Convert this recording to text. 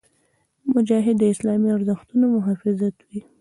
مجاهد د اسلامي ارزښتونو محافظ وي.